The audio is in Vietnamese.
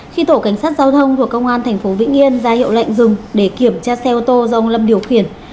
khi tổ cảnh sát giao thông thuộc công an tp vĩnh yên ra hiệu lệnh dừng để kiểm tra xe ô tô do ông lâm điều khiển